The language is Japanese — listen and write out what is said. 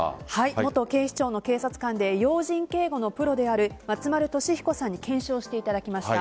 元警視庁の警察官で要人警護のプロである松丸俊彦さんに検証していただきました。